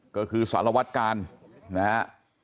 ก็คือสล็อตการนะฮะ